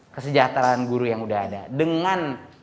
kesejahteraan guru yang udah ada dengan